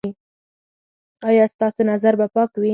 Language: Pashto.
ایا ستاسو نظر به پاک وي؟